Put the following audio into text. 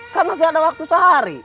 kan masih ada waktu sehari